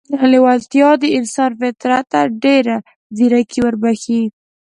لېوالتیا د انسان فطرت ته ډېره ځیرکي وربښي